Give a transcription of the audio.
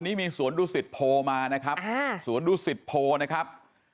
นี่มีสวนดุสิตโพลมานะครับสวนดุสิตโพนะครับ